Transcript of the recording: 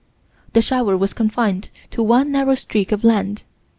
The shower was confined to one narrow streak of land.